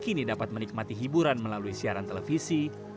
kini dapat menikmati hiburan melalui siaran televisi